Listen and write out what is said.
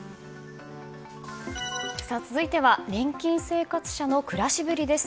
続いては年金生活者の暮らしぶりです。